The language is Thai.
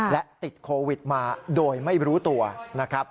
และติดโควิดมาโดยไม่รู้ตัวนะครับ